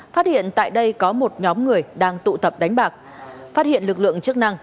phát hiện tại đây có một nhóm người đang tụ tập đánh bạc phát hiện lực lượng chức năng